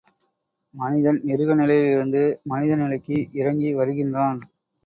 மனிதன் மிருக நிலையிலிருந்து மனித நிலைக்கு இறங்கி வருகின்றான்.